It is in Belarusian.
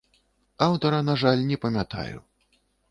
Аўтара, на жаль, не памятаю.